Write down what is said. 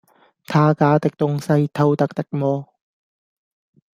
他家的東西，偷得的麼？